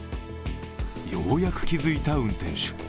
ようやく気づいた運転手。